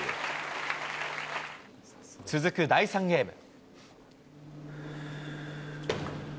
続く第３ゲーム。